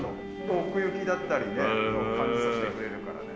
奥行だったりね、感じさせてくれるからね。